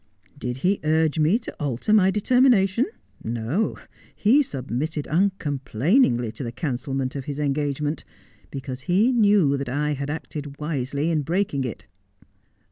Did he urge me to alter my determination ? Xo. He submitted uncomplainingly to the cancelment of his engagement, because he knew that I had acted wisely in breaking it.'